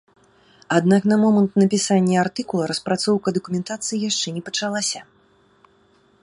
Аднак на момант напісання артыкула распрацоўка дакументацыі яшчэ не пачалася.